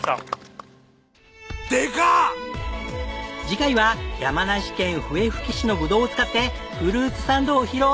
次回は山梨県笛吹市のぶどうを使ってフルーツサンドを披露！